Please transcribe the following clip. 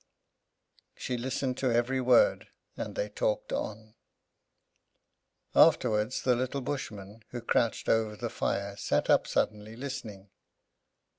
She listened to every word, and they talked on. Afterwards, the little Bushman, who crouched over the fire, sat up suddenly, listening.